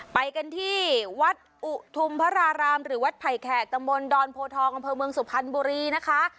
ไปกันที่วัดอุทุมพระรารามหรือวัดไผ่แขกตะมนต์ดอนโพทองอำเภอเมืองสุพรรณบุรีนะคะ